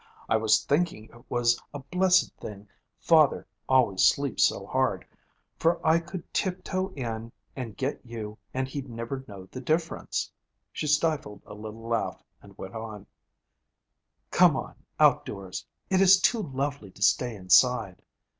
I was thinking it was a blessed thing father always sleeps so hard, for I could tip toe in and get you and he'd never know the difference.' She stifled a little laugh and went on, 'Come on, outdoors. It is too lovely to stay inside.'